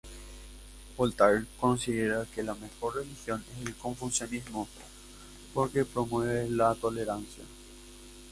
Voltaire considera que la mejor religión es el Confucianismo, porque promueve la tolerancia.